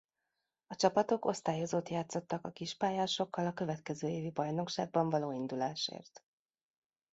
A csapatok osztályozót játszottak a kispályásokkal a következő évi bajnokságban való indulásért.